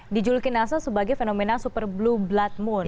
dijuluki nasa sebagai fenomena super blue blood moon